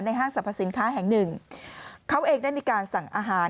ห้างสรรพสินค้าแห่งหนึ่งเขาเองได้มีการสั่งอาหาร